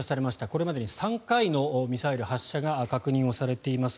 これまでに３回のミサイル発射が確認をされています。